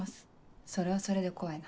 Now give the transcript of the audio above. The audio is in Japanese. それはそれで怖いな。